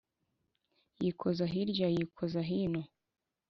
“ yikoza hirya, yikoza hino;